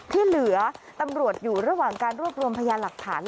ที่เหลือตำรวจอยู่ระหว่างการรวบรวมพยานหลักฐาน